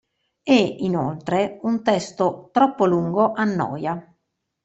E, inoltre, un testo troppo lungo annoia.